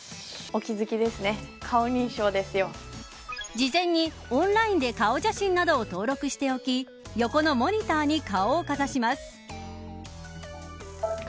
事前にオンラインで顔写真などを登録しておき横のモニターに顔をかざします。